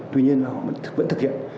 tuy nhiên họ vẫn thực hiện